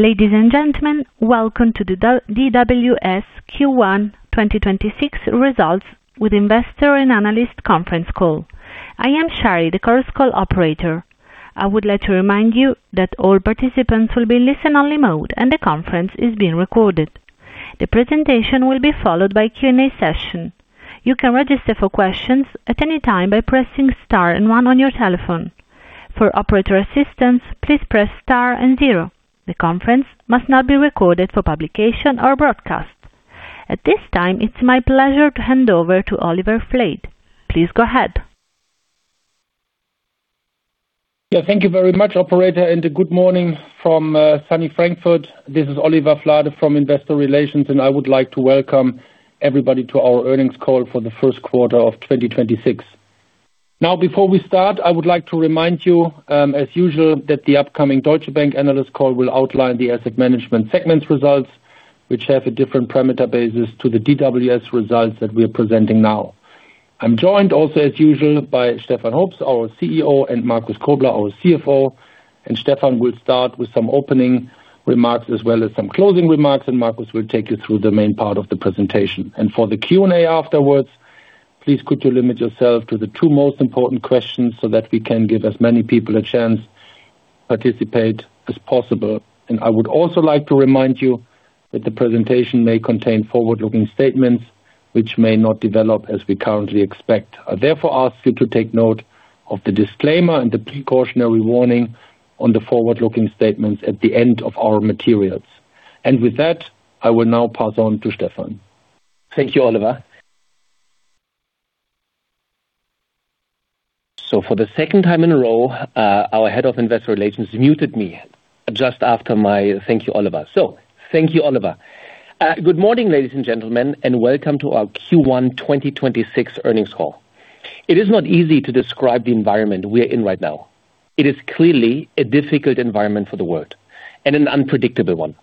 Ladies and gentlemen, welcome to the DWS Q1 2026 results with investor and analyst conference call. I am Shari, the Chorus Call operator. I would like to remind you that all participants will be listen only mode, and the conference is being recorded. The presentation will be followed by Q&A session. You can register for questions at any time by pressing star and one on your telephone. For operator assistance, please press star and zero. The conference must not be recorded for publication or broadcast. At this time, it's my pleasure to hand over to Oliver Flade. Please go ahead. Thank you very much, operator, good morning from sunny Frankfurt. This is Oliver Flade from Investor Relations, I would like to welcome everybody to our earnings call for the first quarter of 2026. Before we start, I would like to remind you, as usual, that the upcoming Deutsche Bank analyst call will outline the asset management segment's results, which have a different parameter basis to the DWS results that we are presenting now. I'm joined also, as usual, by Stefan Hoops, our CEO, and Markus Kobler, our CFO. Stefan will start with some opening remarks as well as some closing remarks. Markus will take you through the main part of the presentation. For the Q&A afterwards, please could you limit yourself to the two most important questions so that we can give as many people a chance to participate as possible. I would also like to remind you that the presentation may contain forward-looking statements which may not develop as we currently expect. I therefore ask you to take note of the disclaimer and the precautionary warning on the forward-looking statements at the end of our materials. With that, I will now pass on to Stefan. Thank you, Oliver. For the second time in a row, our head of investor relations muted me just after my thank you, Oliver. Thank you, Oliver. Good morning, ladies and gentlemen, and welcome to our Q1 2026 earnings call. It is not easy to describe the environment we are in right now. It is clearly a difficult environment for the world and an unpredictable one.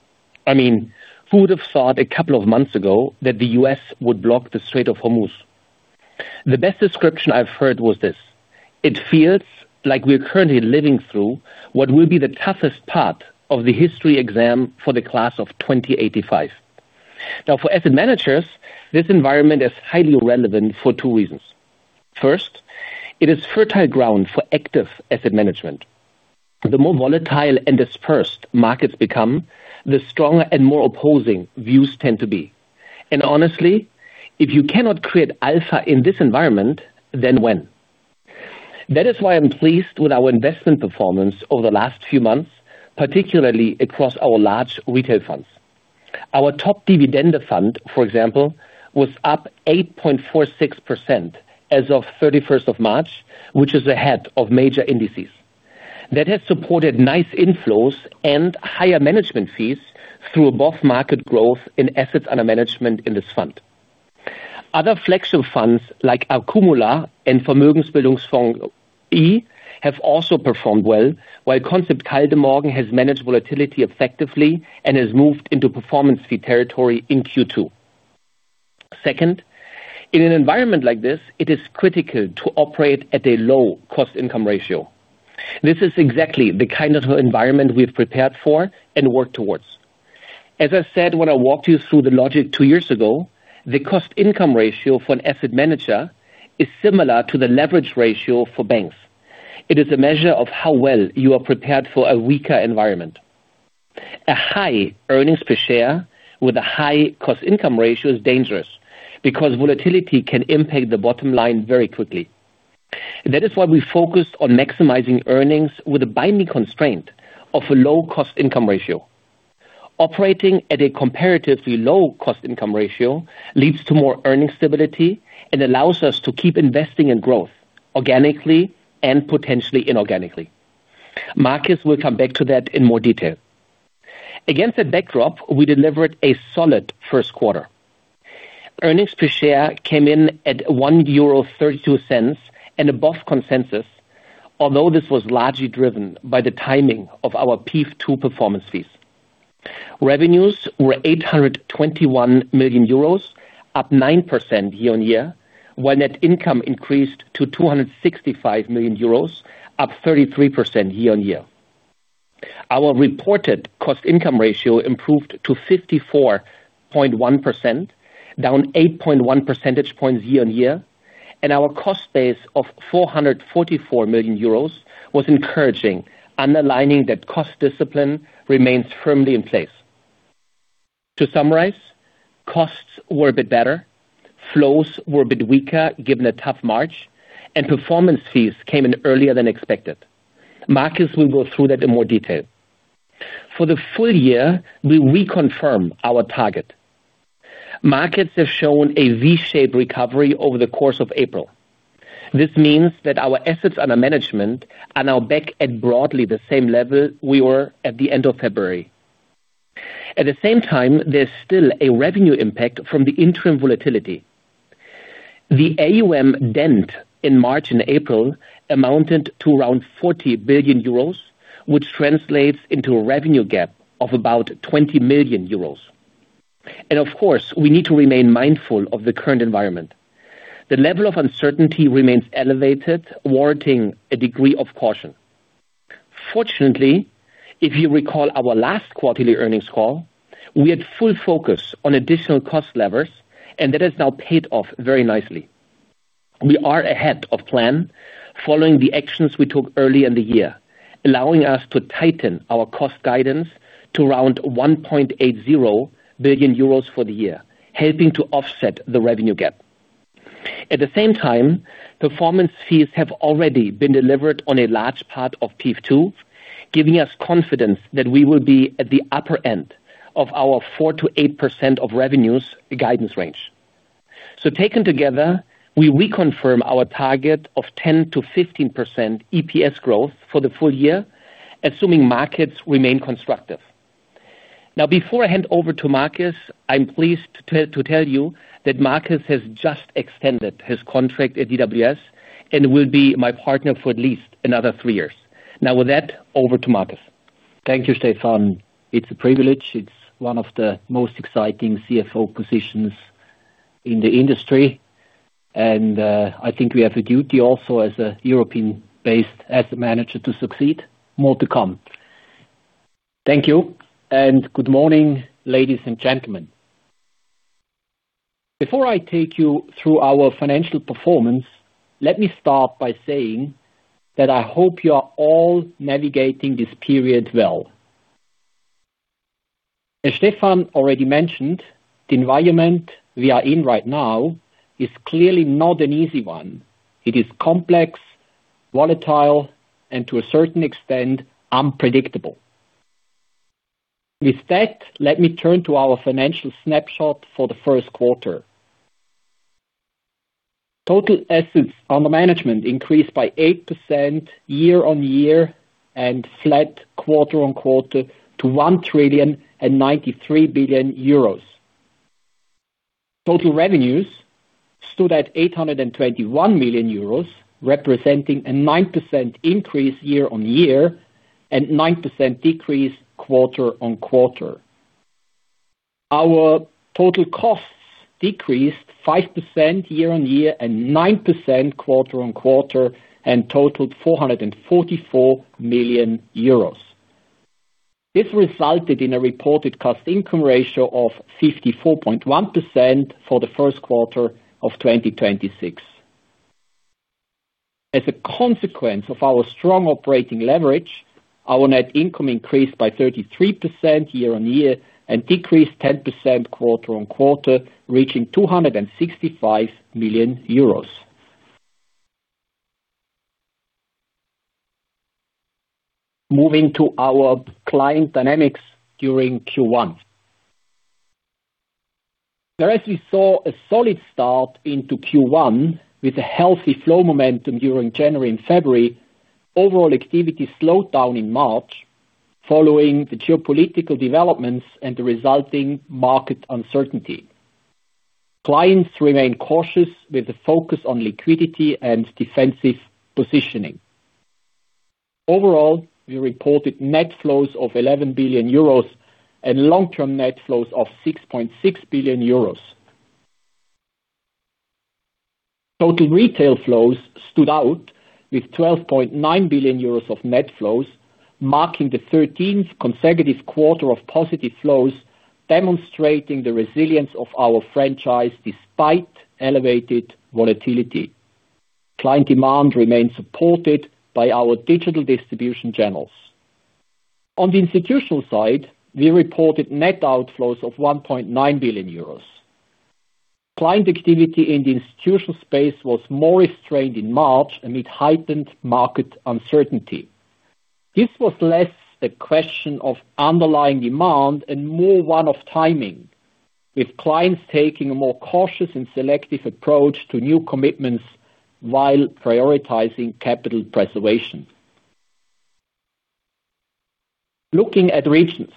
I mean, who would have thought a couple of months ago that the U.S. would block the Strait of Hormuz? The best description I've heard was this: It feels like we're currently living through what will be the toughest part of the history exam for the class of 2085. For asset managers, this environment is highly relevant for two reasons. First, it is fertile ground for active asset management. The more volatile and dispersed markets become, the stronger and more opposing views tend to be. Honestly, if you cannot create alpha in this environment, then when? That is why I'm pleased with our investment performance over the last few months, particularly across our large retail funds. Our DWS Top Dividende, for example, was up 8.46% as of 31st of March, which is ahead of major indices. That has supported nice inflows and higher management fees through above-market growth in assets under management in this fund. Other flagship funds like DWS Akkumula and DWS Vermögensbildungsfonds I have also performed well, while DWS Concept Kaldemorgen has managed volatility effectively and has moved into performance fee territory in Q2. Second, in an environment like this it is critical to operate at a low cost income ratio. This is exactly the kind of environment we've prepared for and work towards. As I said when I walked you through the logic two years ago, the cost income ratio for an asset manager is similar to the leverage ratio for banks. It is a measure of how well you are prepared for a weaker environment. A high earnings per share with a high cost income ratio is dangerous because volatility can impact the bottom line very quickly. That is why we focused on maximizing earnings with a binding constraint of a low cost income ratio. Operating at a comparatively low cost income ratio leads to more earning stability and allows us to keep investing in growth organically and potentially inorganically. Markus will come back to that in more detail. Against that backdrop, we delivered a solid first quarter. Earnings per share came in at 1.32 euro and above consensus, although this was largely driven by the timing of our PIF II performance fees. Revenues were 821 million euros, up 9% year-on-year, while net income increased to 265 million euros, up 33% year-on-year. Our reported cost income ratio improved to 54.1%, down 8.1 percentage points year-on-year. Our cost base of 444 million euros was encouraging, underlining that cost discipline remains firmly in place. To summarize, costs were a bit better, flows were a bit weaker given a tough March, and performance fees came in earlier than expected. Markus will go through that in more detail. For the full year, we reconfirm our target. Markets have shown a V-shaped recovery over the course of April. This means that our assets under management are now back at broadly the same level we were at the end of February. At the same time, there's still a revenue impact from the interim volatility. The AUM dent in March and April amounted to around 40 billion euros, which translates into a revenue gap of about 20 million euros. Of course, we need to remain mindful of the current environment. The level of uncertainty remains elevated, warranting a degree of caution. Fortunately, if you recall our last quarterly earnings call, we had full focus on additional cost levers, and that has now paid off very nicely. We are ahead of plan following the actions we took early in the year, allowing us to tighten our cost guidance to around 1.80 billion euros for the year, helping to offset the revenue gap. At the same time, performance fees have already been delivered on a large part of PIF II, giving us confidence that we will be at the upper end of our 4%-8% of revenues guidance range. Taken together, we reconfirm our target of 10%-15% EPS growth for the full year, assuming markets remain constructive. Before I hand over to Markus, I'm pleased to tell you that Markus has just extended his contract at DWS and will be my partner for at least another three years. With that, over to Markus. Thank you, Stefan. It's a privilege. It's one of the most exciting CFO positions in the industry, and I think we have a duty also as a European-based asset manager to succeed. More to come. Thank you. Good morning, ladies and gentlemen. Before I take you through our financial performance, let me start by saying that I hope you are all navigating this period well. As Stefan already mentioned, the environment we are in right now is clearly not an easy one. It is complex, volatile, and to a certain extent, unpredictable. With that, let me turn to our financial snapshot for the first quarter. Total assets under management increased by 8% year-on-year and flat quarter-on-quarter to 1,093 billion euros. Total revenues stood at 821 million euros, representing a 9% increase year-on-year and 9% decrease quarter-on-quarter. Our total costs decreased 5% year-on-year and 9% quarter-on-quarter and totaled 444 million euros. This resulted in a reported cost income ratio of 54.1% for the first quarter of 2026. As a consequence of our strong operating leverage, our net income increased by 33% year-on-year and decreased 10% quarter-on-quarter, reaching EUR 265 million. Moving to our client dynamics during Q1. Whereas we saw a solid start into Q1 with a healthy flow momentum during January and February, overall activity slowed down in March following the geopolitical developments and the resulting market uncertainty. Clients remain cautious with the focus on liquidity and defensive positioning. Overall, we reported net flows of 11 billion euros and long-term net flows of 6.6 billion euros. Total retail flows stood out with 12.9 billion euros of net flows, marking the 13th consecutive quarter of positive flows, demonstrating the resilience of our franchise despite elevated volatility. Client demand remains supported by our digital distribution channels. On the institutional side, we reported net outflows of 1.9 billion euros. Client activity in the institutional space was more restrained in March amid heightened market uncertainty. This was less the question of underlying demand and more one of timing, with clients taking a more cautious and selective approach to new commitments while prioritizing capital preservation. Looking at regions.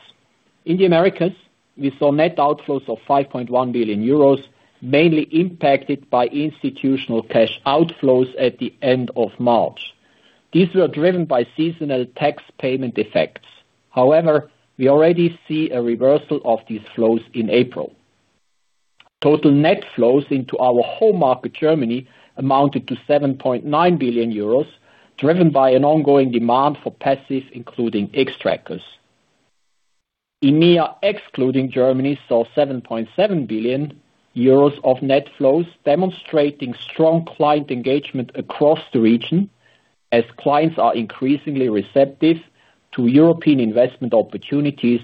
In the Americas, we saw net outflows of 5.1 billion euros, mainly impacted by institutional cash outflows at the end of March. These were driven by seasonal tax payment effects. We already see a reversal of these flows in April. Total net flows into our home market, Germany, amounted to 7.9 billion euros, driven by an ongoing demand for passive, including Xtrackers. EMEA, excluding Germany, saw 7.7 billion euros of net flows, demonstrating strong client engagement across the region as clients are increasingly receptive to European investment opportunities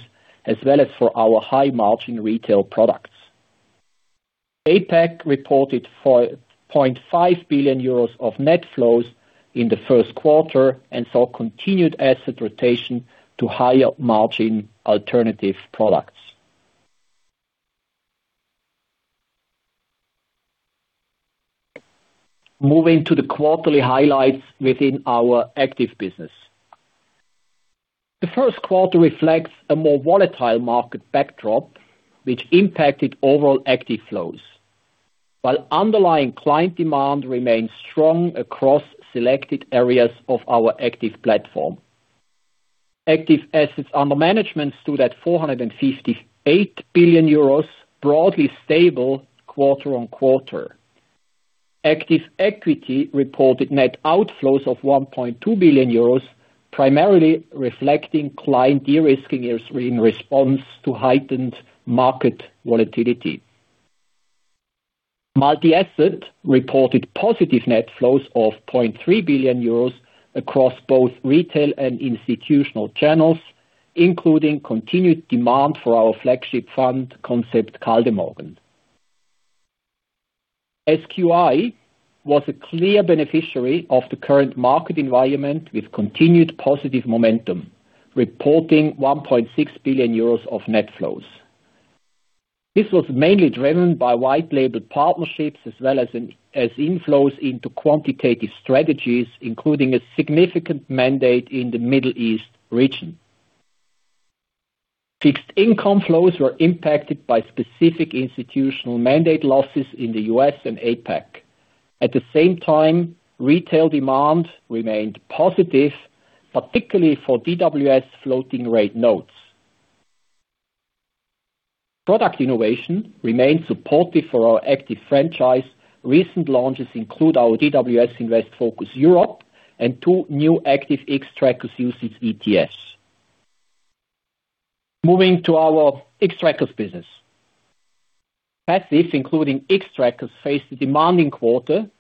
as well as for our high-margin retail products. APAC reported 0.5 billion euros of net flows in the first quarter and saw continued asset rotation to higher-margin alternative products. Moving to the quarterly highlights within our active business. The first quarter reflects a more volatile market backdrop, which impacted overall active flows, while underlying client demand remains strong across selected areas of our active platform. Active assets under management stood at 458 billion euros, broadly stable quarter-on-quarter. Active equity reported net outflows of 1.2 billion euros, primarily reflecting client de-risking in response to heightened market volatility. Multi-asset reported positive net flows of 0.3 billion euros across both retail and institutional channels, including continued demand for our flagship fund Concept Kaldemorgen. SQI was a clear beneficiary of the current market environment with continued positive momentum, reporting 1.6 billion euros of net flows. This was mainly driven by white label partnerships as well as inflows into quantitative strategies, including a significant mandate in the Middle East region. Fixed income flows were impacted by specific institutional mandate losses in the U.S. and APAC. At the same time, retail demand remained positive, particularly for DWS Floating Rate Notes. Product innovation remained supportive for our active franchise. Recent launches include our DWS Invest Focus Europe and two new Active Xtrackers UCITS ETFs. Moving to our Xtrackers business. Passives including Xtrackers faced a demanding quarter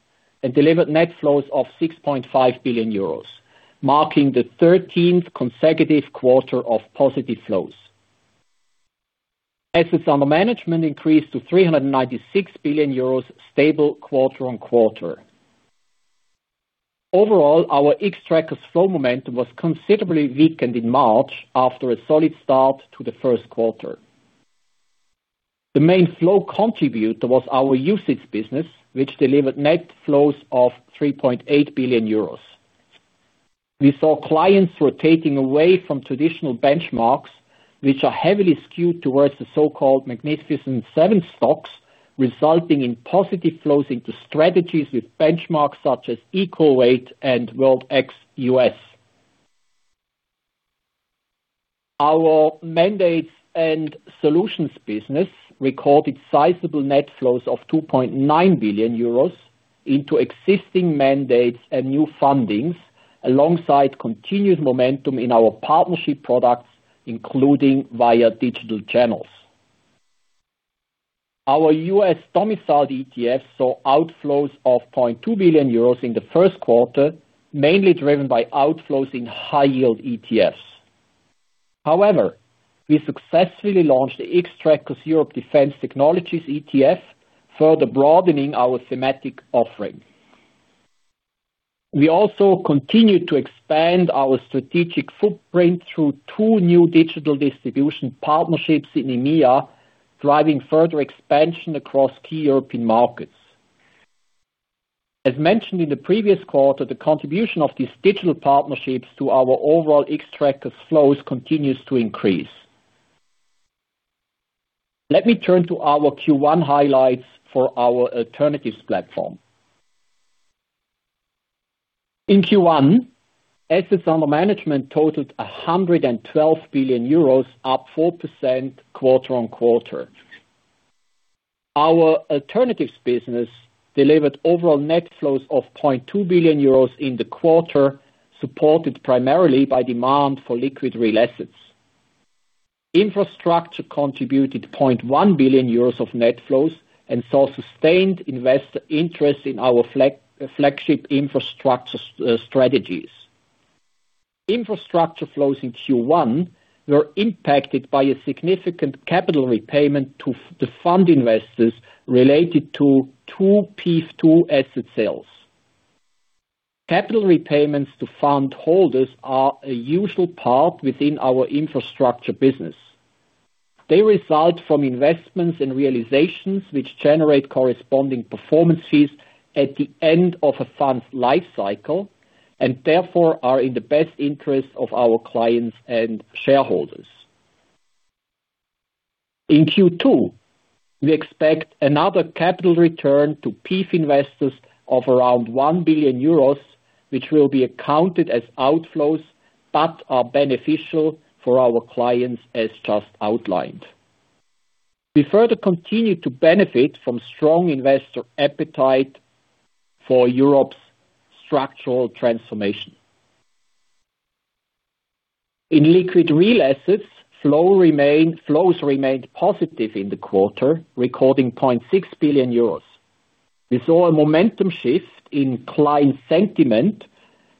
and delivered net flows of 6.5 billion euros, marking the 13th consecutive quarter of positive flows. Assets under management increased to 396 billion euros, stable quarter-on-quarter. Overall, our Xtrackers flow momentum was considerably weakened in March after a solid start to the first quarter. The main flow contributor was our UCITS business, which delivered net flows of 3.8 billion euros. We saw clients rotating away from traditional benchmarks, which are heavily skewed towards the so-called Magnificent Seven stocks, resulting in positive flows into strategies with benchmarks such as Equal Weight and World ex US. Our mandates and solutions business recorded sizable net flows of 2.9 billion euros into existing mandates and new fundings, alongside continued momentum in our partnership products, including via digital channels. Our U.S.-domiciled ETF saw outflows of 0.2 billion euros in the first quarter, mainly driven by outflows in high-yield ETFs. We successfully launched the Xtrackers Europe Defence Technologies ETF, further broadening our thematic offering. We also continued to expand our strategic footprint through two new digital distribution partnerships in EMEA, driving further expansion across key European markets. As mentioned in the previous quarter, the contribution of these digital partnerships to our overall Xtrackers flows continues to increase. Let me turn to our Q1 highlights for our alternatives platform. In Q1, assets under management totaled 112 billion euros, up 4% quarter-on-quarter. Our alternatives business delivered overall net flows of 0.2 billion euros in the quarter, supported primarily by demand for liquid real assets. Infrastructure contributed 0.1 billion euros of net flows and saw sustained investor interest in our flagship infrastructure strategies. Infrastructure flows in Q1 were impacted by a significant capital repayment to the fund investors related to two PIF II asset sales. Capital repayments to fund holders are a usual part within our infrastructure business. They result from investments and realizations which generate corresponding performances at the end of a fund's life cycle, and therefore are in the best interest of our clients and shareholders. In Q2, we expect another capital return to PIF investors of around 1 billion euros, which will be accounted as outflows, but are beneficial for our clients as just outlined. We further continue to benefit from strong investor appetite for Europe's structural transformation. In liquid real assets, flows remained positive in the quarter, recording 0.6 billion euros. We saw a momentum shift in client sentiment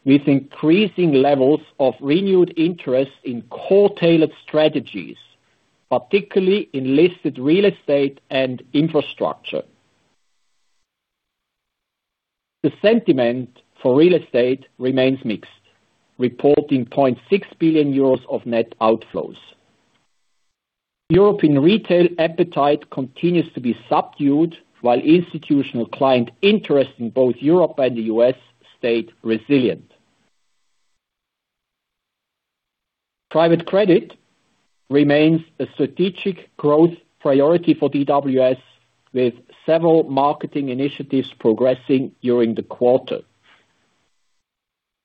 with increasing levels of renewed interest in core-tailored strategies, particularly in listed real estate and infrastructure. The sentiment for real estate remains mixed, reporting 0.6 billion euros of net outflows. European retail appetite continues to be subdued while institutional client interest in both Europe and the U.S. stayed resilient. Private credit remains a strategic growth priority for DWS, with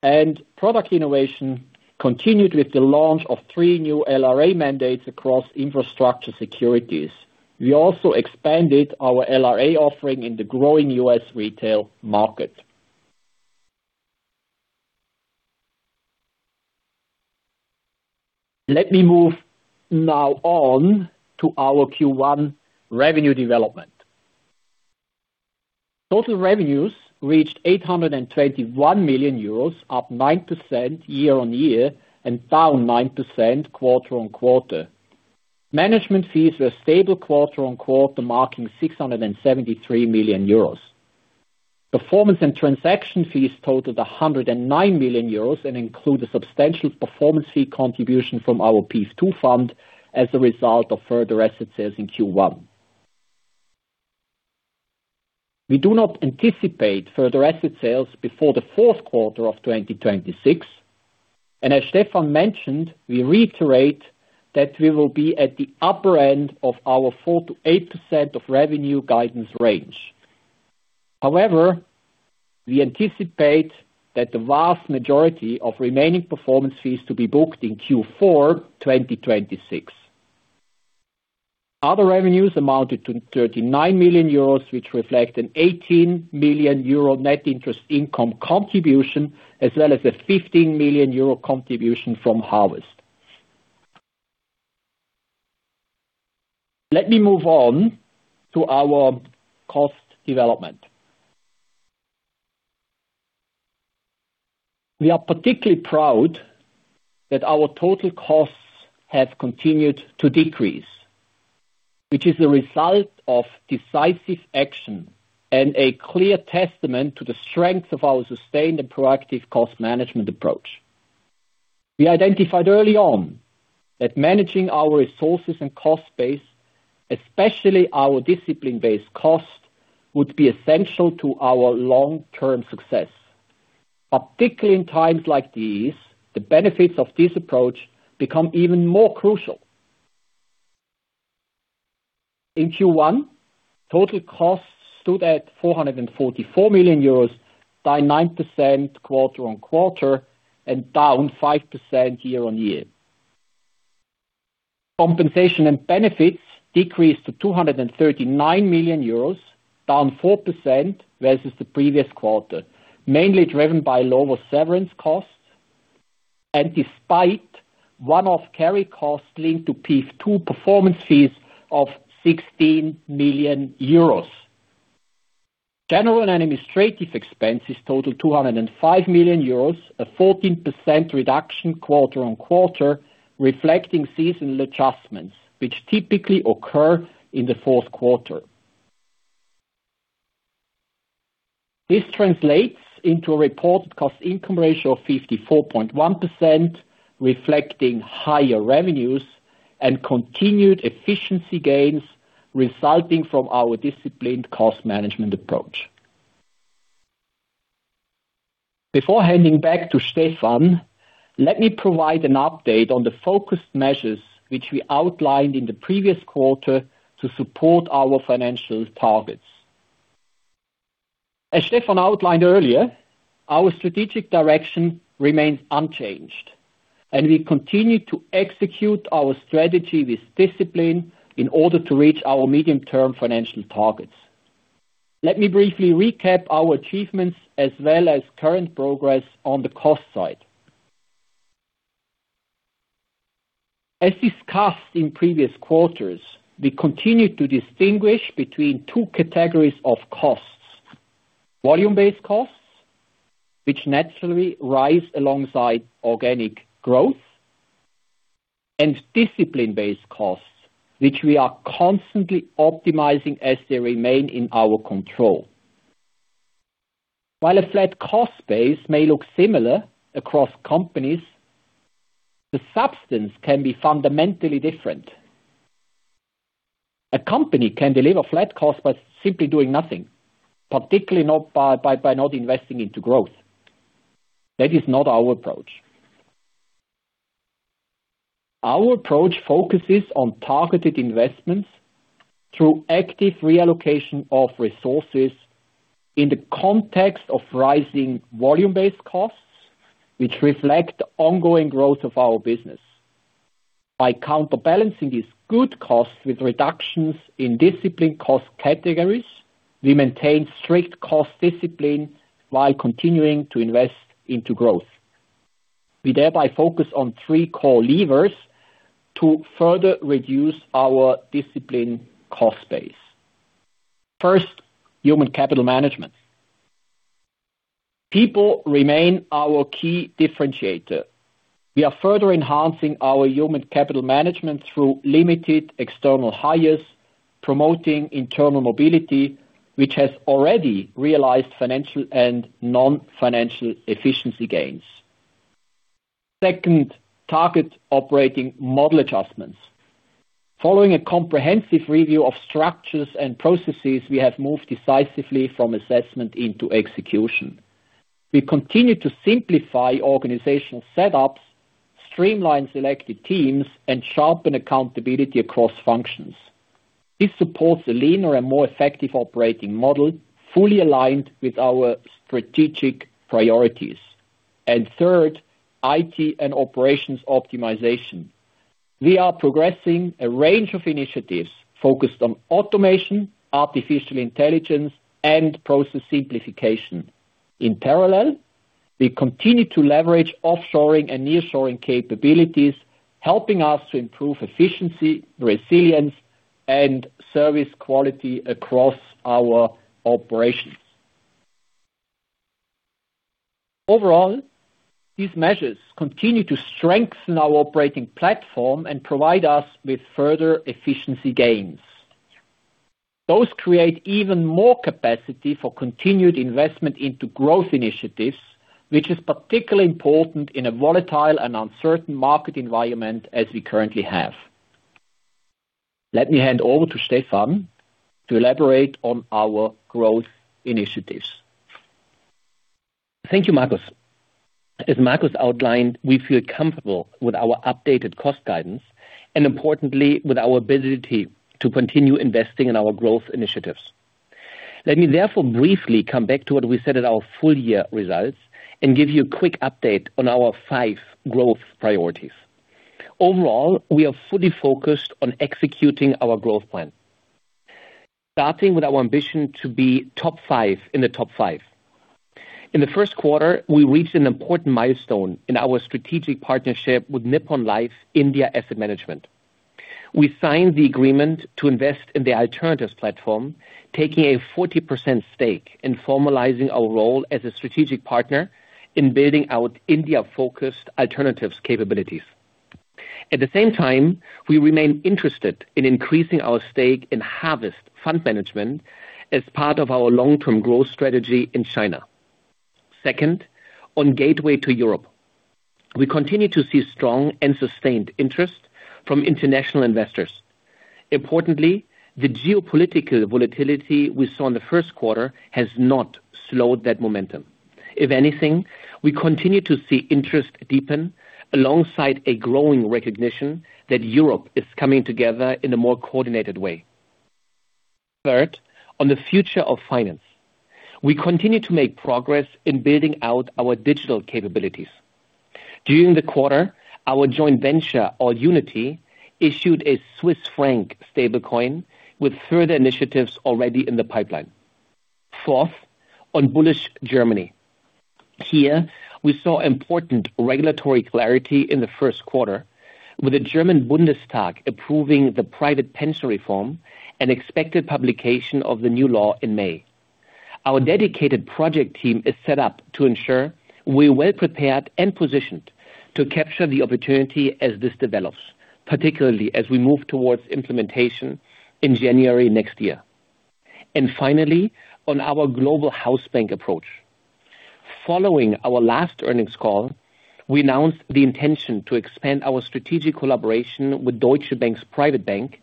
several marketing initiatives progressing during the quarter. Product innovation continued with the launch of three new LRA mandates across infrastructure securities. We also expanded our LRA offering in the growing U.S. retail market. Let me move now on to our Q1 revenue development. Total revenues reached 821 million euros, up 9% year-on-year and down 9% quarter-on-quarter. Management fees were stable quarter-on-quarter, marking 673 million euros. Performance and transaction fees totaled 109 million euros, and include a substantial performance fee contribution from our PIF II fund as a result of further asset sales in Q1. We do not anticipate further asset sales before the fourth quarter of 2026. As Stefan Hoops mentioned, we reiterate that we will be at the upper end of our 4%-8% of revenue guidance range. However, we anticipate that the vast majority of remaining performance fees to be booked in Q4 2026. Other revenues amounted to 39 million euros, which reflect an 18 million euro net interest income contribution, as well as an 15 million euro contribution from Harvest. Let me move on to our cost development. We are particularly proud that our total costs have continued to decrease, which is a result of decisive action and a clear testament to the strength of our sustained and proactive cost management approach. We identified early on that managing our resources and cost base, especially our discipline-based cost, would be essential to our long-term success. Particularly in times like these, the benefits of this approach become even more crucial. In Q1, total costs stood at 444 million euros, down 9% quarter-on-quarter and down 5% year-on-year. Compensation and benefits decreased to 239 million euros, down 4% versus the previous quarter. Mainly driven by lower severance costs and despite one-off carry costs linked to P2 performance fees of 16 million euros. General and administrative expenses totaled 205 million euros, a 14% reduction quarter-on-quarter, reflecting seasonal adjustments, which typically occur in the fourth quarter. This translates into a reported cost income ratio of 54.1%, reflecting higher revenues and continued efficiency gains resulting from our disciplined cost management approach. Before handing back to Stefan, let me provide an update on the focused measures which we outlined in the previous quarter to support our financial targets. As Stefan outlined earlier, our strategic direction remains unchanged, and we continue to execute our strategy with discipline in order to reach our medium-term financial targets. Let me briefly recap our achievements as well as current progress on the cost side. As discussed in previous quarters, we continue to distinguish between two categories of costs. Volume-based costs, which naturally rise alongside organic growth, and discipline-based costs, which we are constantly optimizing as they remain in our control. While a flat cost base may look similar across companies, the substance can be fundamentally different. A company can deliver flat cost by simply doing nothing, particularly by not investing into growth. That is not our approach. Our approach focuses on targeted investments through active reallocation of resources in the context of rising volume-based costs, which reflect ongoing growth of our business. By counterbalancing these good costs with reductions in discipline cost categories, we maintain strict cost discipline while continuing to invest into growth. We thereby focus on three core levers to further reduce our discipline cost base. First, human capital management. People remain our key differentiator. We are further enhancing our human capital management through limited external hires, promoting internal mobility, which has already realized financial and non-financial efficiency gains. Second, target operating model adjustments. Following a comprehensive review of structures and processes, we have moved decisively from assessment into execution. We continue to simplify organizational setups, streamline selected teams, and sharpen accountability across functions. This supports a leaner and more effective operating model, fully aligned with our strategic priorities. Third, IT and operations optimization. We are progressing a range of initiatives focused on automation, artificial intelligence, and process simplification. In parallel, we continue to leverage offshoring and nearshoring capabilities, helping us to improve efficiency, resilience, and service quality across our operations. Overall, these measures continue to strengthen our operating platform and provide us with further efficiency gains. Those create even more capacity for continued investment into growth initiatives, which is particularly important in a volatile and uncertain market environment as we currently have. Let me hand over to Stefan to elaborate on our growth initiatives. Thank you, Markus. As Markus outlined, we feel comfortable with our updated cost guidance and importantly with our ability to continue investing in our growth initiatives. Let me briefly come back to what we said at our full year results and give you a quick update on our five growth priorities. We are fully focused on executing our growth plan, starting with our ambition to be top five in the top five. In the first quarter, we reached an important milestone in our strategic partnership with Nippon Life India Asset Management. We signed the agreement to invest in the alternatives platform, taking a 40% stake in formalizing our role as a strategic partner in building out India-focused alternatives capabilities. We remain interested in increasing our stake in Harvest Fund Management as part of our long-term growth strategy in China. On gateway to Europe. We continue to see strong and sustained interest from international investors. Importantly, the geopolitical volatility we saw in the first quarter has not slowed that momentum. If anything, we continue to see interest deepen alongside a growing recognition that Europe is coming together in a more coordinated way. On the future of finance. We continue to make progress in building out our digital capabilities. During the quarter, our joint venture, AllUnity, issued a Swiss franc stablecoin with further initiatives already in the pipeline. On bullish Germany. Here, we saw important regulatory clarity in the first quarter with the German Bundestag approving the private pension reform and expected publication of the new law in May. Our dedicated project team is set up to ensure we're well-prepared and positioned to capture the opportunity as this develops, particularly as we move towards implementation in January next year. Finally, on our global house bank approach. Following our last earnings call, we announced the intention to expand our strategic collaboration with Deutsche Bank's Private Bank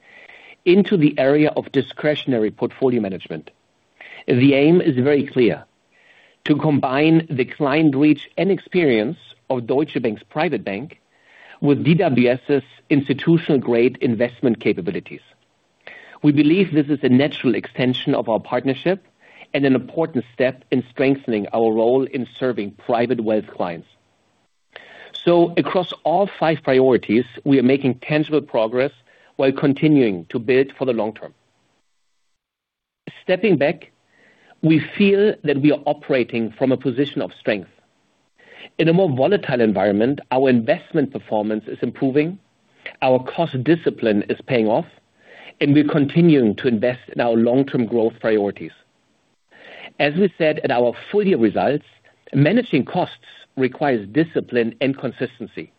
into the area of discretionary portfolio management. The aim is very clear: to combine the client reach and experience of Deutsche Bank's Private Bank with DWS's institutional-grade investment capabilities. We believe this is a natural extension of our partnership and an important step in strengthening our role in serving private wealth clients. Across all five priorities, we are making tangible progress while continuing to build for the long term. Stepping back, we feel that we are operating from a position of strength. In a more volatile environment, our investment performance is improving, our cost discipline is paying off, and we're continuing to invest in our long-term growth priorities. As we said at our full year results, managing costs requires discipline and consistency.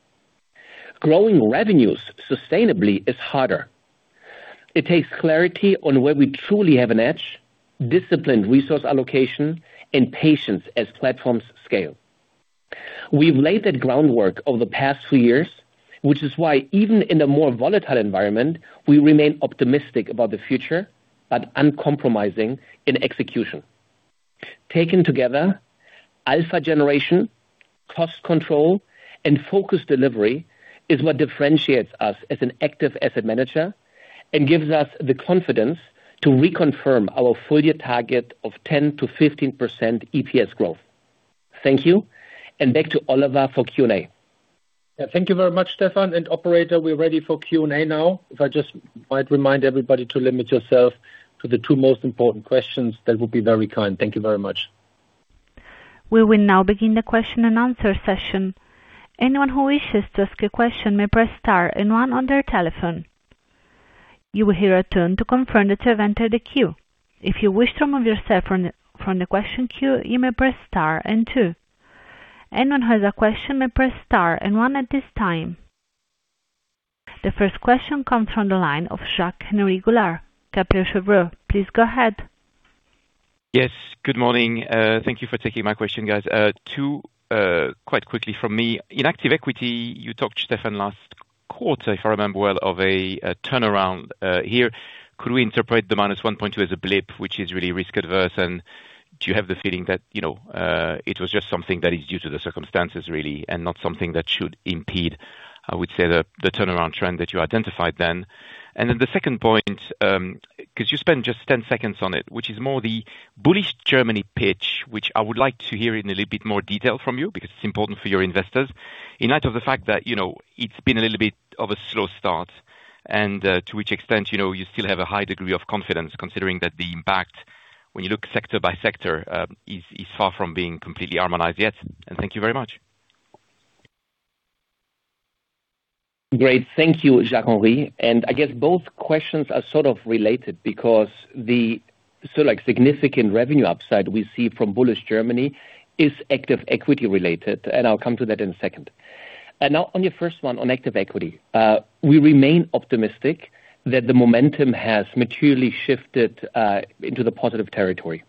Growing revenues sustainably is harder. It takes clarity on where we truly have an edge, disciplined resource allocation, and patience as platforms scale. We've laid that groundwork over the past few years, which is why even in a more volatile environment, we remain optimistic about the future, but uncompromising in execution. Taken together, alpha generation, cost control, and focused delivery is what differentiates us as an active asset manager and gives us the confidence to reconfirm our full year target of 10%-15% EPS growth. Thank you. Back to Oliver for Q&A. Yeah. Thank you very much, Stefan. Operator, we're ready for Q&A now. If I just might remind everybody to limit yourself to the two most important questions, that would be very kind. Thank you very much. We will now begin the question and answer session. Anyone who wishes to ask a question may press star and one on their telephone. You will hear a tone to confirm that you have entered the queue. If you wish to remove yourself from the question queue, you may press star and two. Anyone who has a question may press star and one at this time. The first question comes from the line of Jacques-Henri Gaulard, Kepler Cheuvreux. Please go ahead. Yes. Good morning. Thank you for taking my question, guys. Two quite quickly from me. In active equity, you talked to Stefan last quarter, if I remember well, of a turnaround here. Could we interpret the -1.2 as a blip, which is really risk-averse? Do you have the feeling that, you know, it was just something that is due to the circumstances really, and not something that should impede, I would say, the turnaround trend that you identified then? The second point, 'cause you spent just 10 seconds on it, which is more the bullish Germany pitch, which I would like to hear in a little bit more detail from you because it's important for your investors. In light of the fact that, you know, it's been a little bit of a slow start to which extent, you know, you still have a high degree of confidence considering that the impact when you look sector by sector is far from being completely harmonized yet. Thank you very much. Great. Thank you, Jacques-Henri. I guess both questions are sort of related because significant revenue upside we see from bullish Germany is active equity related, and I'll come to that in a second. Now on your first one, on active equity, we remain optimistic that the momentum has materially shifted into the positive territory.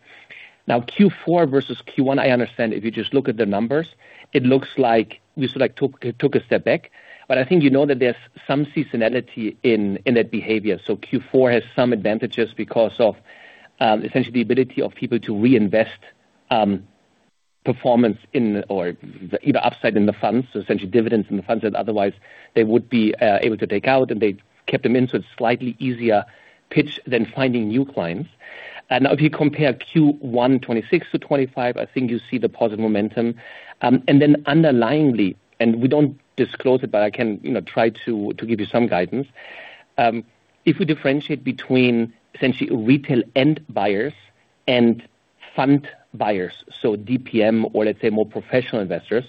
Now, Q4 versus Q1, I understand if you just look at the numbers, it looks like we sort of took a step back. I think you know that there's some seasonality in that behavior. Q4 has some advantages because of essentially the ability of people to reinvest performance in or either upside in the funds, so essentially dividends in the funds that otherwise they would be able to take out, and they kept them in, so it's slightly easier pitch than finding new clients. If you compare Q1 2026 to 2025, I think you see the positive momentum. Underlyingly, and we don't disclose it, but I can, you know, try to give you some guidance. If we differentiate between essentially retail end buyers and fund buyers, so DPM or let's say more professional investors,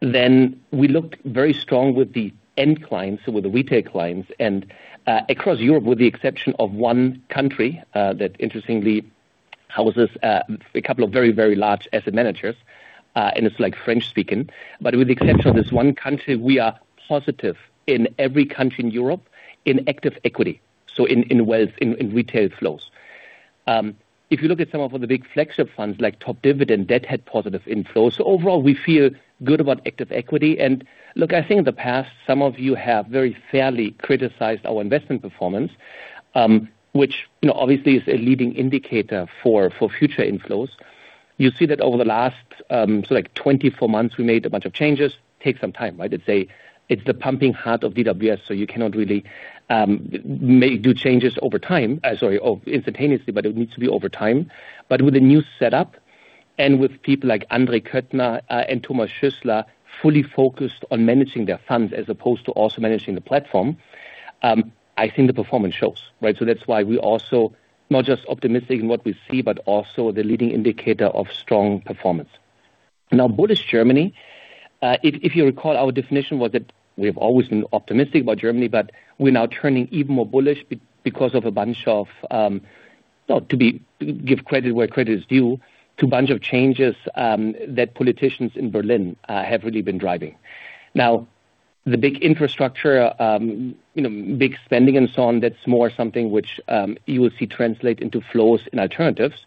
then we looked very strong with the end clients, so with the retail clients and across Europe, with the exception of one country, that interestingly houses a couple of very, very large asset managers, and it's like French-speaking. With the exception of this one country, we are positive in every country in Europe in active equity, so in wealth, in retail flows. If you look at some of the big flagship funds like Top Dividend, that had positive inflows. Overall, we feel good about active equity. Look, I think in the past, some of you have very fairly criticized our investment performance, which, you know, obviously is a leading indicator for future inflows. You see that over the last, so, like, 24 months, we made a bunch of changes. Take some time, right? Let's say it's the pumping heart of DWS, you cannot really do changes over time. Instantaneously, it needs to be over time. With a new setup and with people like André Körtner and Thomas Schüssler fully focused on managing their funds as opposed to also managing the platform, I think the performance shows, right? That's why we're also not just optimistic in what we see, but also the leading indicator of strong performance. Bullish Germany, if you recall, our definition was that we have always been optimistic about Germany, but we're now turning even more bullish because of a bunch of, well, give credit where credit is due to a bunch of changes that politicians in Berlin have really been driving. The big infrastructure, you know, big spending and so on, that's more something which you will see translate into flows and alternatives.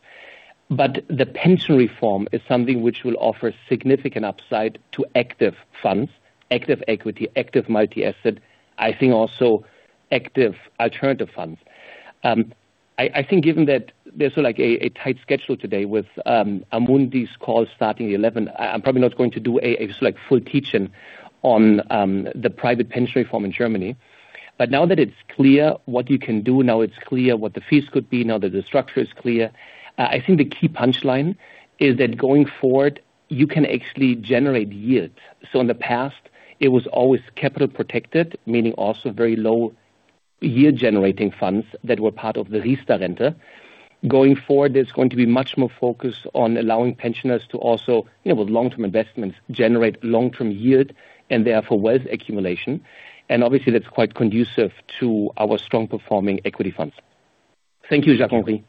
The pension reform is something which will offer significant upside to active funds, active equity, active multi-asset, I think also active alternative funds. I think given that there's like a tight schedule today with Amundi's call starting at 11, I'm probably not going to do a select full teaching on the private pension reform in Germany. Now that it's clear what you can do, now it's clear what the fees could be, now that the structure is clear, I think the key punchline is that going forward, you can actually generate yields. In the past, it was always capital protected, meaning also very low yield-generating funds that were part of the Riester-Rente. Going forward, there's going to be much more focus on allowing pensioners to also, you know, with long-term investments, generate long-term yield and therefore wealth accumulation. Obviously, that's quite conducive to our strong performing equity funds. Thank you, Jacques-Henri.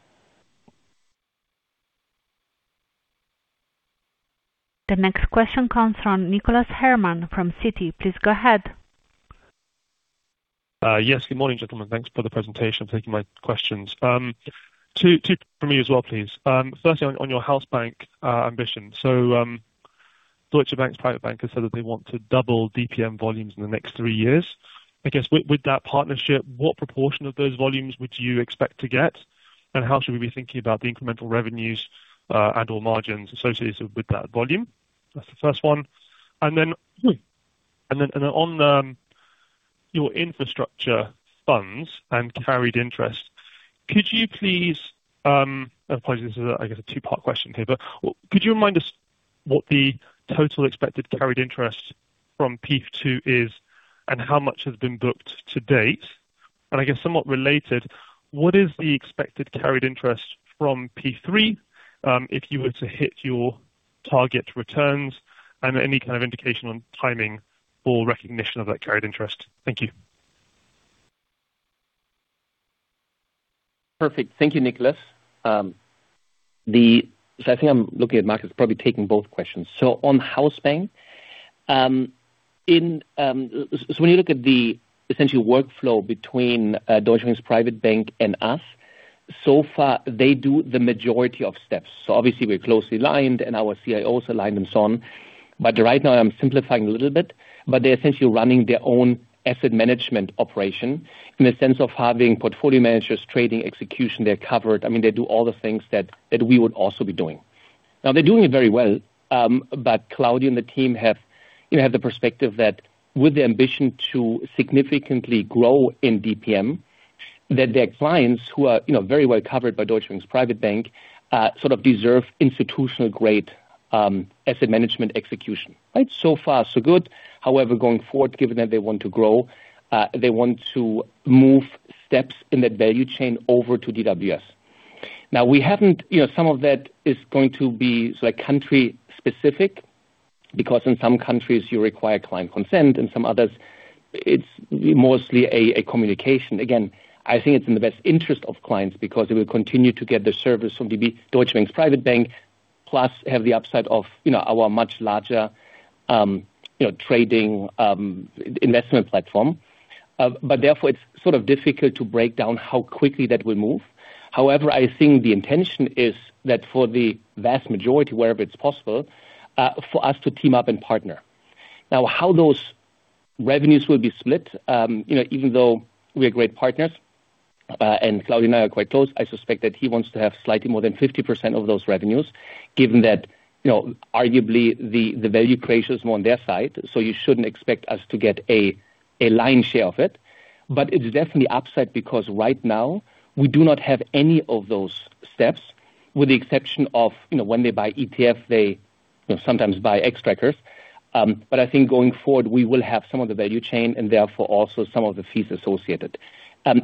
The next question comes from Nicholas Herman from Citi. Please go ahead. Yes. Good morning, gentlemen. Thanks for the presentation, thank you for taking my questions. Two from me as well, please. Firstly on your house bank ambition. Deutsche Bank's private bank has said that they want to double DPM volumes in the next three years. I guess with that partnership, what proportion of those volumes would you expect to get? How should we be thinking about the incremental revenues and or margins associated with that volume? That's the first one. Then on your infrastructure funds and carried interest, could you please, and apologies if this is, I guess, a two-part question here. Could you remind us what the total expected carried interest from PIF II is and how much has been booked to date? I guess somewhat related, what is the expected carried interest from PIF III, if you were to hit your target returns and any kind of indication on timing or recognition of that carried interest? Thank you. Perfect. Thank you, Nicholas. I think I'm looking at Markus, probably taking both questions. On house bank, when you look at the essentially workflow between Deutsche Bank's private bank and us, so far they do the majority of steps. Obviously we're closely aligned and our CIO is aligned and so on. Right now I'm simplifying a little bit, but they're essentially running their own asset management operation in the sense of having portfolio managers, trading, execution, they're covered. I mean, they do all the things that we would also be doing. They're doing it very well, but Claudio and the team have, you know, have the perspective that with the ambition to significantly grow in DPM, that their clients who are, you know, very well covered by Deutsche Bank's private bank, sort of deserve institutional grade asset management execution, right? Far so good. Going forward, given that they want to grow, they want to move steps in that value chain over to DWS. You know, some of that is going to be like country specific, because in some countries you require client consent, in some others it's mostly a communication. Again, I think it's in the best interest of clients because they will continue to get the service from DB, Deutsche Bank's private bank, plus have the upside of, you know, our much larger, you know, trading, investment platform. Therefore it's sort of difficult to break down how quickly that will move. However, I think the intention is that for the vast majority, wherever it's possible, for us to team up and partner. Now, how those revenues will be split, you know, even though we are great partners, and Claudio and I are quite close, I suspect that he wants to have slightly more than 50% of those revenues, given that, you know, arguably the value creation is more on their side, so you shouldn't expect us to get a lion's share of it. It's definitely upset because right now we do not have any of those steps, with the exception of, you know, when they buy ETF, they, you know, sometimes buy Xtrackers. I think going forward, we will have some of the value chain and therefore also some of the fees associated.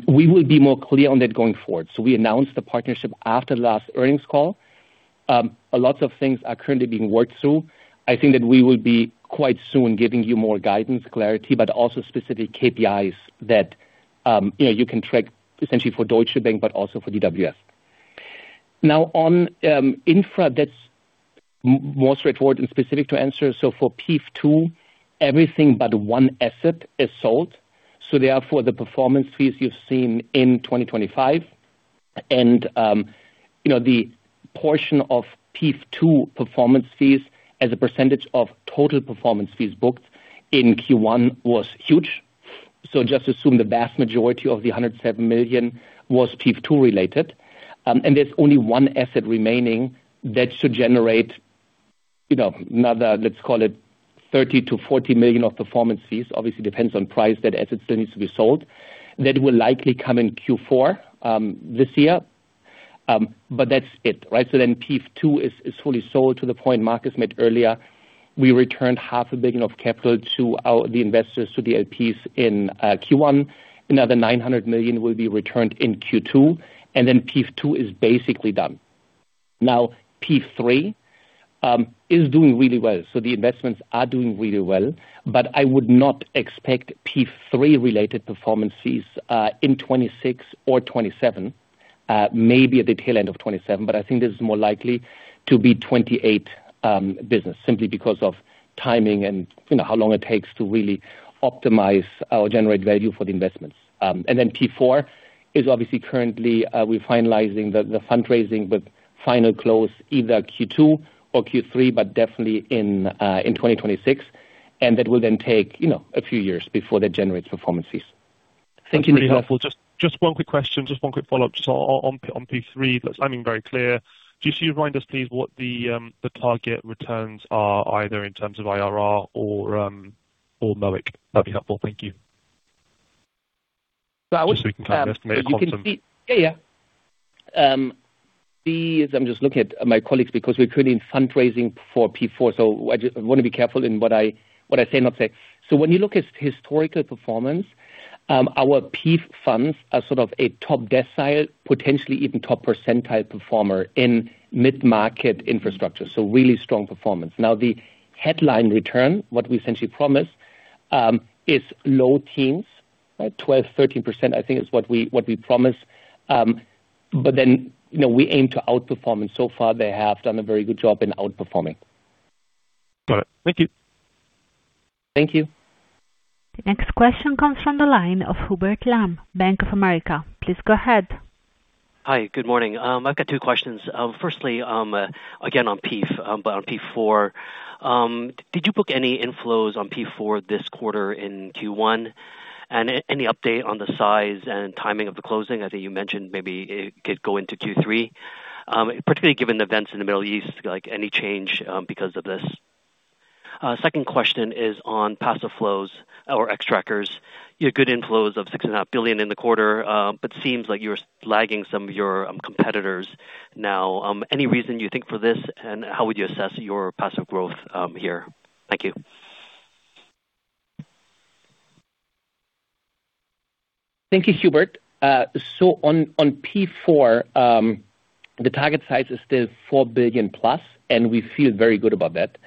We will be more clear on that going forward. We announced the partnership after the last earnings call. A lot of things are currently being worked through. I think that we will be quite soon giving you more guidance, clarity, but also specific KPIs that, you know, you can track essentially for Deutsche Bank, but also for DWS. Now on infra, that's more straightforward and specific to answer. For PIF II, everything but one asset is sold. Therefore the performance fees you've seen in 2025 and, you know, the portion of PIF II performance fees as a percentage of total performance fees booked in Q1 was huge. Just assume the vast majority of the 107 million was PIF II related. There's only one asset remaining that should generate, you know, another, let's call it 30 million-40 million of performance fees. Obviously depends on price. That asset still needs to be sold. That will likely come in Q4 this year. That's it, right? PIF II is fully sold to the point Markus made earlier. We returned half a billion of capital to our the investors, to the LPs in Q1. Another 900 million will be returned in Q2, PIF II is basically done. PIF III is doing really well, so the investments are doing really well. I would not expect PIF III related performance fees in 2026 or 2027. Maybe at the tail end of 2027, but I think this is more likely to be 2028 business simply because of timing and, you know, how long it takes to really optimize or generate value for the investments. PIF IV is obviously currently we're finalizing the fundraising with final close either Q2 or Q3, but definitely in 2026. That will then take, you know, a few years before that generates performance fees. Thank you Nicholas. That's really helpful. Just one quick question. Just one quick follow-up. On PIF III, the timing very clear. Just to remind us, please, what the target returns are either in terms of IRR or MOIC. That'd be helpful. Thank you. So I would- Just so we can kind of estimate constant. You can see. Yeah, yeah. I'm just looking at my colleagues because we're currently fundraising for PIF IV, I just wanna be careful in what I, what I say and not say. When you look at historical performance, our PIF funds are sort of a top decile, potentially even top percentile performer in mid-market infrastructure. Really strong performance. Now, the headline return, what we essentially promise, is low teens, 12%, 13% I think is what we, what we promise. You know, we aim to outperform. So far they have done a very good job in outperforming. Got it. Thank you. Thank you. The next question comes from the line of Hubert Lam, Bank of America. Please go ahead. Hi, good morning. I've got two questions. Firstly, again on PIF, but on PIF IV. Did you book any inflows on PIF IV this quarter in Q1? Any update on the size and timing of the closing? I think you mentioned maybe it could go into Q3. Particularly given events in the Middle East, like any change because of this. Second question is on passive flows or Xtrackers. You had good inflows of 6.5 billion in the quarter, but seems like you're lagging some of your competitors now. Any reason you think for this, and how would you assess your passive growth here? Thank you. Thank you, Hubert. The target size on PIF IV is still 4 billion plus, and we feel very good about that.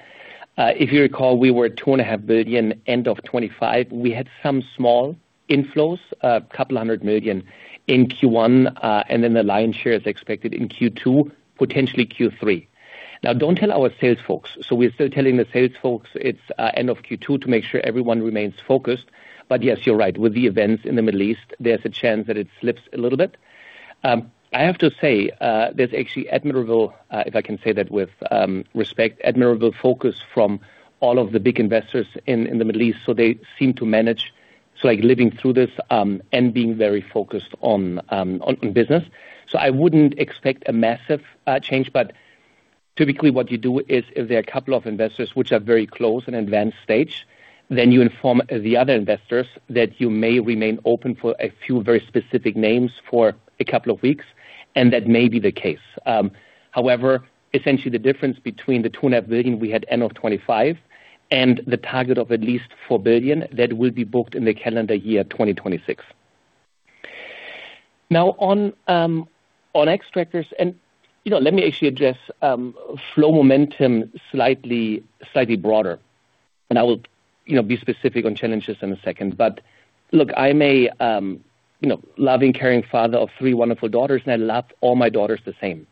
If you recall, we were at 2.5 billion end of 2025. We had some small inflows, a couple hundred million EUR in Q1, then the lion's share is expected in Q2, potentially Q3. Don't tell our sales folks. We're still telling the sales folks it's end of Q2 to make sure everyone remains focused. Yes, you're right. With the events in the Middle East, there's a chance that it slips a little bit. I have to say, there's actually admirable, if I can say that with respect, admirable focus from all of the big investors in the Middle East. They seem to manage. It's like living through this, and being very focused on business. I wouldn't expect a massive change. Typically what you do is if there are a couple of investors which are very close in advanced stage, then you inform the other investors that you may remain open for a few very specific names for a couple of weeks, and that may be the case. However, essentially the difference between the 2.5 billion we had end of 2025 and the target of at least 4 billion, that will be booked in the calendar year 2026. On Xtrackers and, you know, let me actually address flow momentum slightly broader, and I will, you know, be specific on challenges in a second. Look, I may, you know, loving, caring father of three wonderful daughters, and I love all my daughters the same.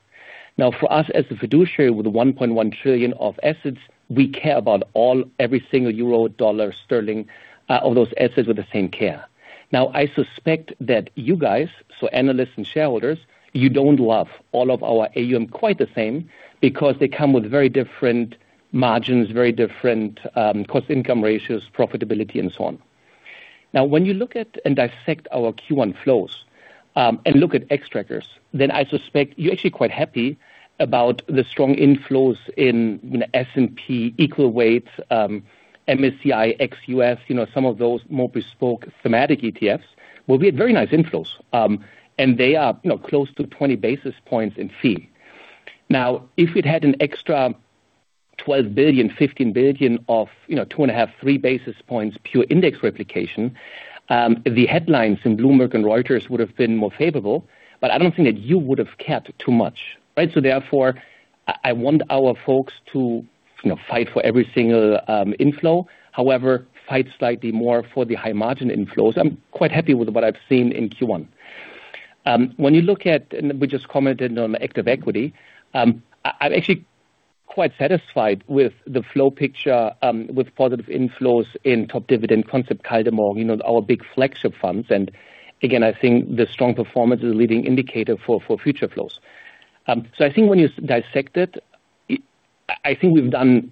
For us as a fiduciary with 1.1 trillion of assets, we care about all, every single euro, dollar, sterling, all those assets with the same care. I suspect that you guys, so analysts and shareholders, you don't love all of our AUM quite the same because they come with very different margins, very different, cost income ratios, profitability and so on. When you look at and dissect our Q1 flows, and look at Xtrackers, I suspect you're actually quite happy about the strong inflows in S&P Equal Weight, MSCI World ex USA, some of those more bespoke thematic ETFs, where we had very nice inflows, and they are close to 20 basis points in fee. If we'd had an extra 12 billion, 15 billion of 2.5, three basis points pure index replication, the headlines in Bloomberg and Reuters would have been more favorable. I don't think that you would have cared too much, right? Therefore, I want our folks to fight for every single inflow, however, fight slightly more for the high margin inflows. I'm quite happy with what I've seen in Q1. When you look, we just commented on active equity, I'm actually quite satisfied with the flow picture, with positive inflows in Top Dividende concept, you know, our big flagship funds. Again, I think the strong performance is a leading indicator for future flows. I think when you dissect it, I think we've done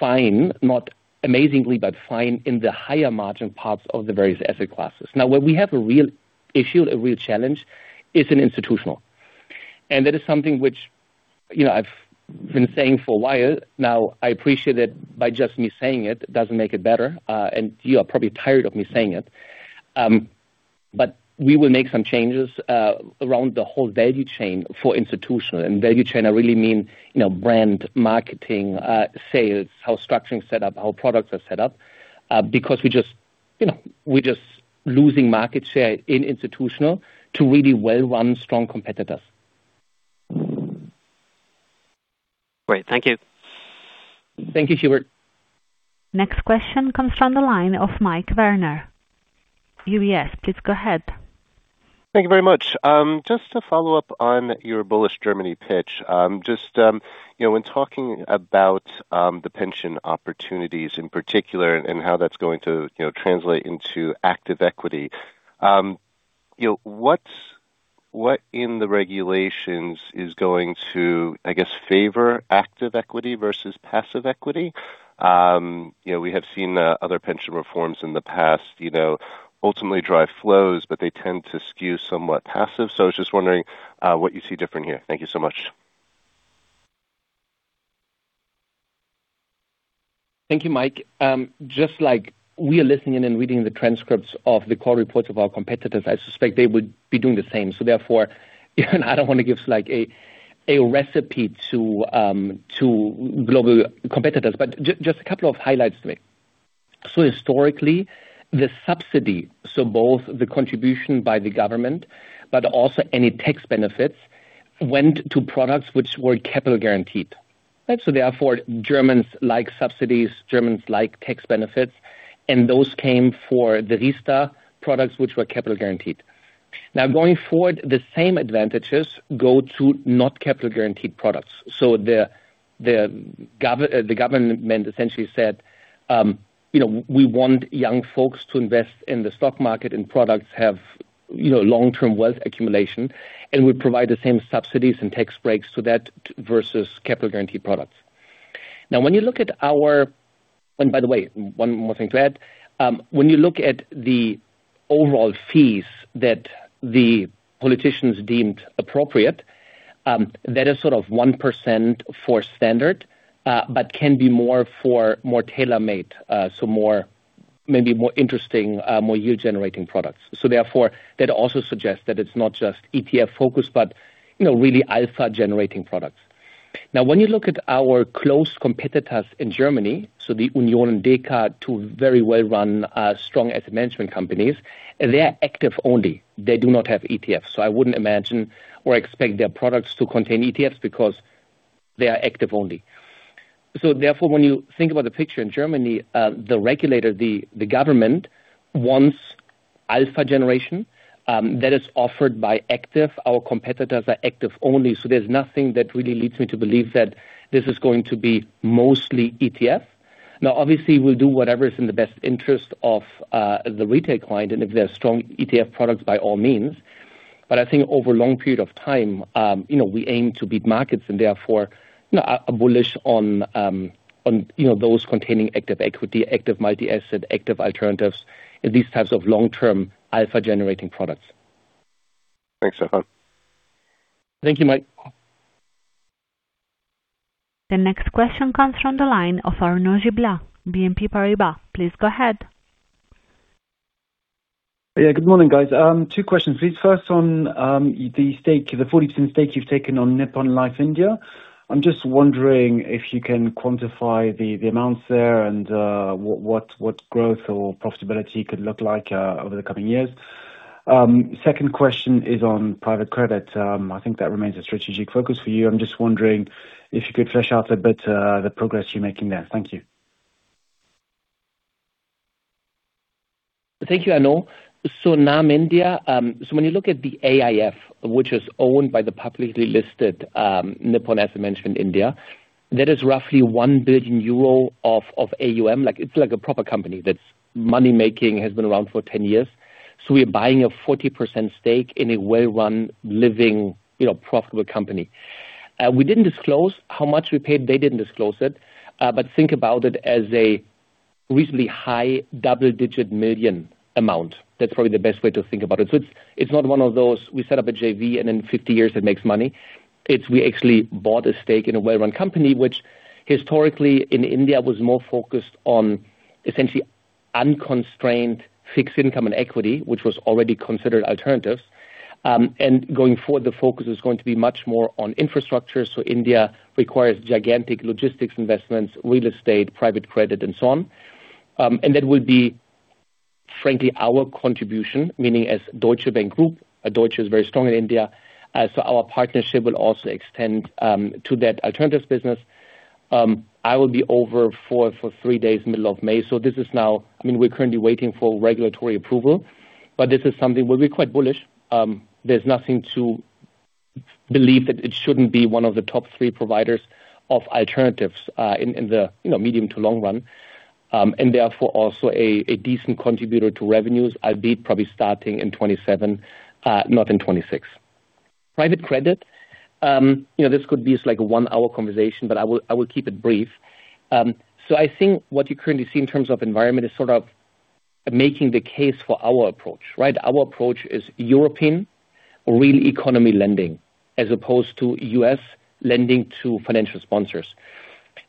fine, not amazingly, but fine in the higher margin parts of the various asset classes. Where we have a real issue, a real challenge is in institutional. That is something which, you know, I've been saying for a while now. I appreciate that by just me saying it doesn't make it better, you are probably tired of me saying it. We will make some changes around the whole value chain for institutional. Value chain, I really mean, you know, brand marketing, sales, how structuring set up, how products are set up, because we just, you know, we're just losing market share in institutional to really well-run strong competitors. Great. Thank you. Thank you, Hubert. Next question comes from the line of Michael Werner, UBS. Please go ahead. Thank you very much. Just to follow up on your bullish Germany pitch, you know, when talking about the pension opportunities in particular and how that's going to, you know, translate into active equity, you know, what in the regulations is going to, I guess, favor active equity versus passive equity? You know, we have seen other pension reforms in the past, you know, ultimately drive flows, but they tend to skew somewhat passive. I was just wondering what you see different here. Thank you so much. Thank you, Mike. Just like we are listening in and reading the transcripts of the call reports of our competitors, I suspect they would be doing the same. I don't wanna give like a recipe to global competitors, but just a couple of highlights to make. Historically, the subsidy, both the contribution by the government, but also any tax benefits went to products which were capital guaranteed, right? Germans like subsidies, Germans like tax benefits, and those came for the Riester products, which were capital guaranteed. Going forward, the same advantages go to not capital guaranteed products. The government essentially said, you know, we want young folks to invest in the stock market, and products have, you know, long-term wealth accumulation, and we provide the same subsidies and tax breaks to that versus capital guaranteed products. By the way, one more thing to add. When you look at the overall fees that the politicians deemed appropriate, that is sort of 1% for standard, but can be more for more tailor-made, so more, maybe more interesting, more yield-generating products. Therefore, that also suggests that it's not just ETF focus, but you know, really alpha generating products. When you look at our close competitors in Germany, the Union and Deka, two very well-run, strong asset management companies, they are active only. They do not have ETFs. I wouldn't imagine or expect their products to contain ETFs because they are active only. Therefore, when you think about the picture in Germany, the regulator, the government wants alpha generation that is offered by active. Our competitors are active only, there's nothing that really leads me to believe that this is going to be mostly ETF. Now, obviously, we'll do whatever is in the best interest of the retail client, and if there are strong ETF products, by all means. I think over a long period of time, you know, we aim to beat markets and therefore, you know, are bullish on, you know, those containing active equity, active multi-asset, active alternatives, these types of long-term alpha-generating products. Thanks, Stefan. Thank you, Mike. The next question comes from the line of Arnaud Giblat, BNP Paribas. Please go ahead. Yeah, good morning, guys. Two questions please. First on the stake, the 40% stake you've taken on Nippon Life India. I'm just wondering if you can quantify the amounts there and what growth or profitability could look like over the coming years. Second question is on private credit. I think that remains a strategic focus for you. I'm just wondering if you could flesh out a bit the progress you're making there. Thank you. Thank you, Arnaud. NAM India, when you look at the AIF, which is owned by the publicly listed Nippon Life India Asset Management, that is roughly 1 billion euro of AUM. It's like a proper company that's money-making, has been around for 10 years. We're buying a 40% stake in a well-run living, you know, profitable company. We didn't disclose how much we paid. They didn't disclose it. Think about it as a reasonably high EUR double-digit million amount. That's probably the best way to think about it. It's not one of those, we set up a JV and in 50 years it makes money. It's we actually bought a stake in a well-run company which historically in India was more focused on essentially unconstrained fixed income and equity, which was already considered alternatives. Going forward, the focus is going to be much more on infrastructure. India requires gigantic logistics investments, real estate, private credit and so on. That will be, frankly, our contribution, meaning as Deutsche Bank Group. Deutsche is very strong in India. Our partnership will also extend to that alternatives business. I will be over for three days middle of May. This is now. I mean, we're currently waiting for regulatory approval, but this is something we'll be quite bullish. There's nothing to believe that it shouldn't be one of the top three providers of alternatives in the, you know, medium to long run. Therefore also a decent contributor to revenues, albeit probably starting in 2027, not in 2026. Private credit, you know, this could be just like a 1-hour conversation, but I will keep it brief. I think what you currently see in terms of environment is sort of making the case for our approach, right? Our approach is European real economy lending as opposed to U.S. lending to financial sponsors.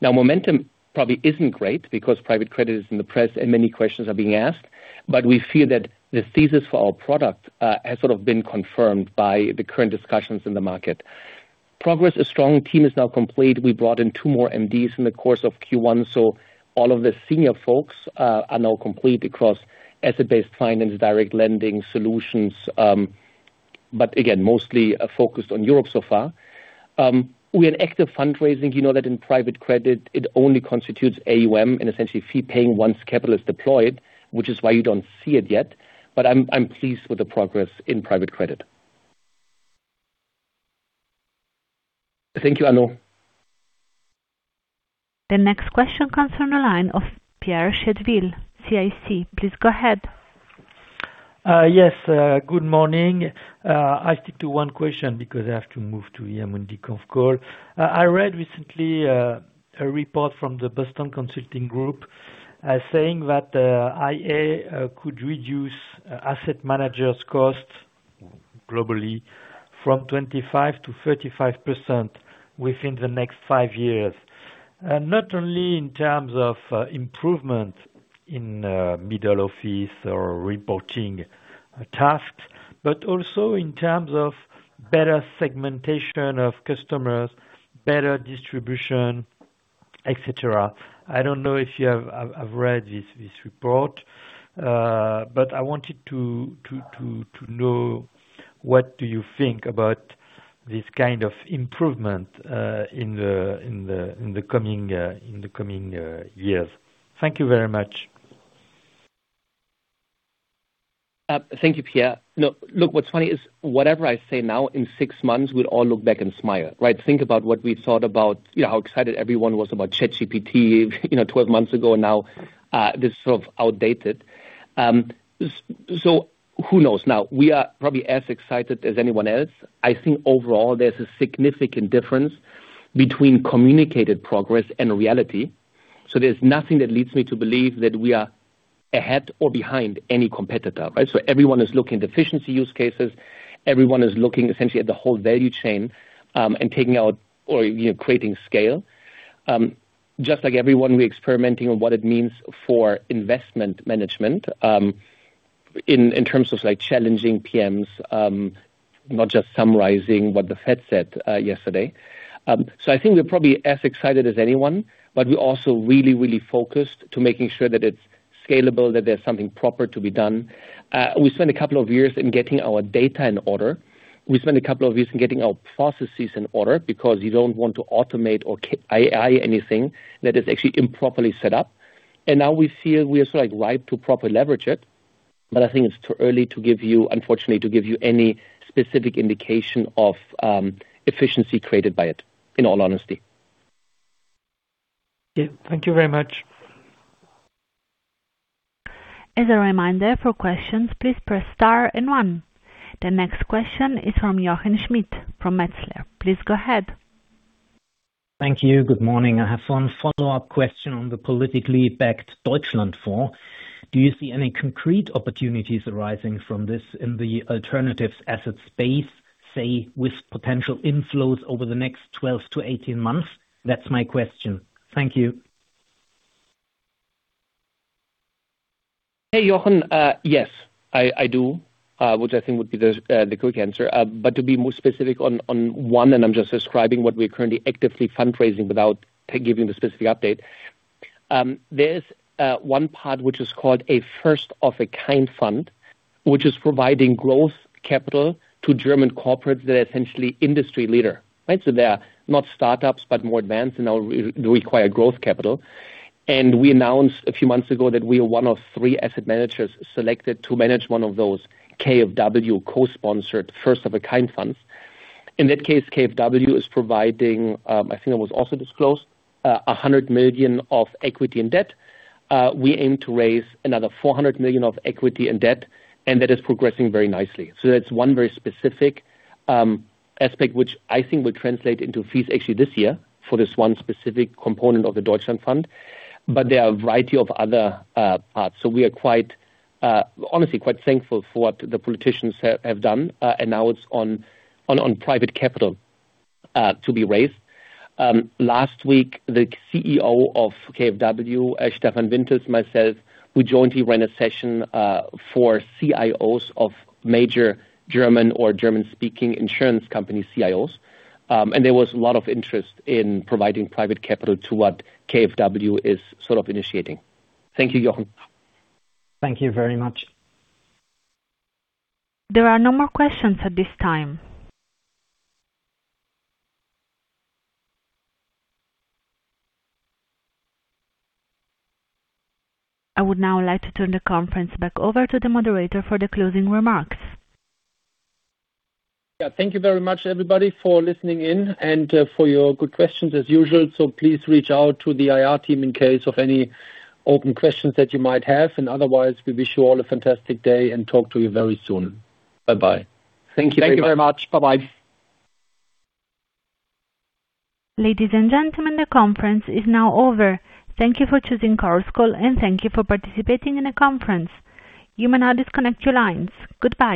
Momentum probably isn't great because private credit is in the press and many questions are being asked, but we feel that the thesis for our product has sort of been confirmed by the current discussions in the market. Progress is strong. Team is now complete. We brought in two more MDs in the course of Q1, so all of the senior folks are now complete across asset-based finance, direct lending solutions, but again, mostly focused on Europe so far. We had active fundraising. You know that in private credit it only constitutes AUM and essentially fee paying once capital is deployed, which is why you don't see it yet. I'm pleased with the progress in private credit. Thank you, Arnaud. The next question comes from the line of Pierre Chédeville, CIC. Please go ahead. Yes. Good morning. I'll stick to one question. Because I have to move to. I read recently a report from the Consulting Group saying that the AI could reduce the asset manager's cost globally from 25%-35% within the next five years, and naturally in terms of improvement in the middle office task but also in terms of better segmentation of customer, better distribution etc. I dont know if you've read but I wanted to know what do you think of this kind of improvement in the coming years. Yes, thank you very much. Thank you, Pierre. Look, what's funny is whatever I say now, in six months, we'll all look back and smile, right? Think about what we thought about, you know, how excited everyone was about ChatGPT, you know, 12 months ago now, this is sort of outdated. Who knows? Now, we are probably as excited as anyone else. I think overall there's a significant difference between communicated progress and reality. There's nothing that leads me to believe that we are ahead or behind any competitor, right? Everyone is looking at efficiency use cases. Everyone is looking essentially at the whole value chain, and taking out or, you know, creating scale. Just like everyone, we're experimenting on what it means for investment management. In terms of like challenging PMs, not just summarizing what the Fed said yesterday. I think we're probably as excited as anyone, but we're also really, really focused to making sure that it's scalable, that there's something proper to be done. We spent a couple of years in getting our data in order. We spent a couple of years in getting our processes in order because you don't want to automate or AI anything that is actually improperly set up. Now we feel we are sort of like ripe to proper leverage it. I think it's too early to give you, unfortunately, any specific indication of efficiency created by it, in all honesty. Yeah. Thank you very much. As a reminder, for questions, please press star and one. The next question is from Jochen Schmitt from Metzler. Please go ahead. Thank you. Good morning. I have one follow-up question on the politically backed Deutschlandfonds. Do you see any concrete opportunities arising from this in the alternatives asset space, say, with potential inflows over the next 12-18 months? That's my question. Thank you. Hey, Jochen. Yes, I do, which I think would be the quick answer. To be more specific on one, and I'm just describing what we're currently actively fundraising without giving the specific update. There's one part which is called a first of a kind fund, which is providing growth capital to German corporates that are essentially industry leader, right? They are not startups, but more advanced and now re-require growth capital. We announced a few months ago that we are one of three asset managers selected to manage one of those KfW co-sponsored first of a kind funds. In that case, KfW is providing, I think it was also disclosed, 100 million of equity and debt. We aim to raise another 400 million of equity and debt, and that is progressing very nicely. That's one very specific aspect which I think will translate into fees actually this year for this one specific component of the Deutschlandfonds. There are a variety of other parts. We are quite honestly, quite thankful for what the politicians have done and now it's on private capital to be raised. Last week, the CEO of KfW, Stefan Wintels, myself, we jointly ran a session for CIOs of major German or German-speaking insurance company CIOs. There was a lot of interest in providing private capital to what KfW is sort of initiating. Thank you, Jochen. Thank you very much. There are no more questions at this time. I would now like to turn the conference back over to the moderator for the closing remarks. Yeah. Thank you very much, everybody, for listening in and for your good questions as usual. Please reach out to the IR team in case of any open questions that you might have. Otherwise, we wish you all a fantastic day and talk to you very soon. Bye-bye. Thank you very much. Thank you very much. Bye-bye. Ladies and gentlemen, the conference is now over. Thank you for choosing Chorus Call, and thank you for participating in the conference. You may now disconnect your lines. Goodbye.